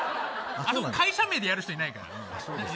会社名でやる人いないから。